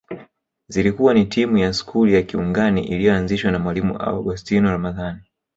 Zilikuwa ni timu ya skuli ya Kiungani iliyoanzishwa na Mwalimu Augostino Ramadhani